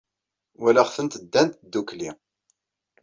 Walaɣ-tent ddant ddukkli.